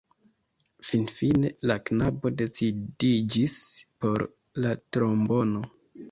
Finfine la knabo decidiĝis por la trombono.